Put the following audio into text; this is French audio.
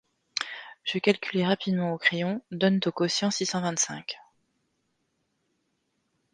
Je calculai rapidement au crayon :«… donnent au quotient six cent vingt-cinq.